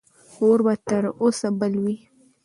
اور به تر اوسه بل وي.